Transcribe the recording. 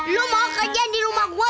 lo mau kerja di rumah gue